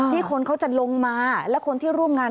คนเขาจะลงมาและคนที่ร่วมงาน